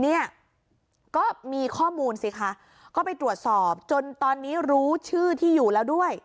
เนี่ยก็มีข้อมูลสิคะก็ไปตรวจสอบจนตอนนี้รู้ชื่อที่อยู่แล้วด้วย